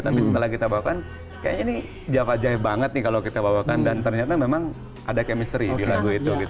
tapi setelah kita bawakan kayaknya ini java jahe banget nih kalau kita bawakan dan ternyata memang ada chemistry di lagu itu gitu